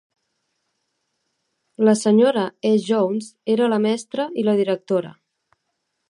La Sra. E. Jones era la mestra i la directora.